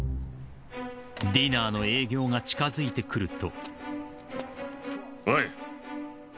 ［ディナーの営業が近づいてくると］